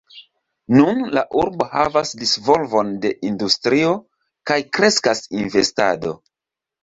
Nun la urbo havas disvolvon de industrio, kaj kreskas investado.